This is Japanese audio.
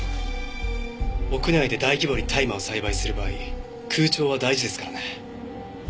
屋内で大規模に大麻を栽培する場合空調は大事ですからね。